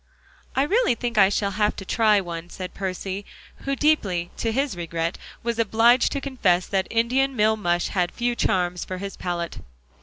"I really think I shall have to try one," said Percy, who deeply to his regret was obliged to confess that Indian meal mush had few charms for his palate.